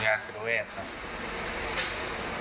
ชุมยาจิตเจราเวทครับ